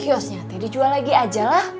kiosnya teh dijual lagi ajalah